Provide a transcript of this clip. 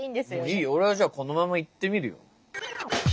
いいよ俺はじゃあこのままいってみるよ。